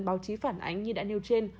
báo chí phản ánh như đã nêu trên